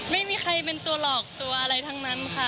ไม่มีใครเป็นตัวหลอกตัวอะไรทั้งนั้นค่ะ